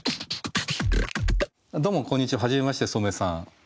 どうもこんにちははじめましてｓｏｍｅさん。